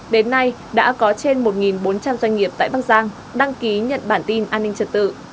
đến nay đã có trên một bốn trăm linh doanh nghiệp tại bắc giang đăng ký nhận bản tin an ninh trật tự